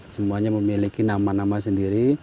semuanya memiliki nama nama sendiri